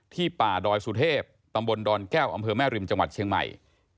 ป่าดอยสุเทพตำบลดอนแก้วอำเภอแม่ริมจังหวัดเชียงใหม่